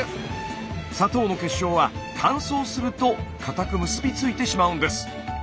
砂糖の結晶は乾燥すると固く結び付いてしまうんです。